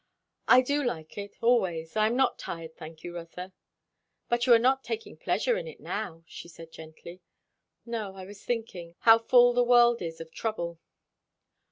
"I do like it, always. I am not tired, thank you, Rotha." "But you are not taking pleasure in it now," she said gently. "No. I was thinking, how full the world is of trouble."